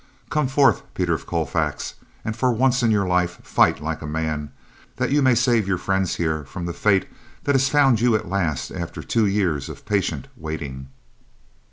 Come forth, Peter of Colfax, and for once in your life, fight like a man, that you may save your friends here from the fate that has found you at last after two years of patient waiting."